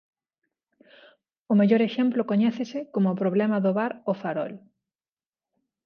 O mellor exemplo coñécese como o problema do bar "O Farol".